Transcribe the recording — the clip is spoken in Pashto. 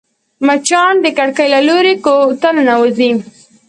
مچان د کړکۍ له لارې کور ته ننوزي